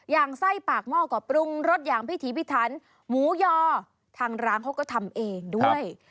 ไส้ปากหม้อก็ปรุงรสอย่างพิถีพิถันหมูยอทางร้านเขาก็ทำเองด้วย